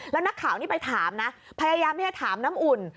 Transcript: แล้วนักข่าวนี้ไปถามนะพยายามที่จะถามน้ำอุ่น